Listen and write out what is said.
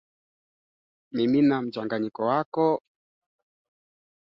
wamelalamika kwa muda mrefu kwamba wanadhulumiwa kama raia wa daraja la pili